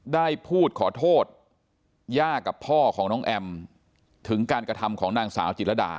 ได้พูดขอโทษย่ากับพ่อของน้องแอมถึงการกระทำของนางสาวจิตรดา